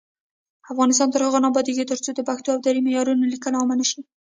افغانستان تر هغو نه ابادیږي، ترڅو د پښتو او دري معیاري لیکنه عامه نشي.